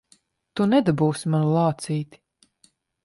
Tu nedabūsi manu lācīti!